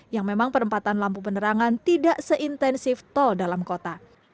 yang memang perempatan lampu penerangan tidak seintensif tol dalam kota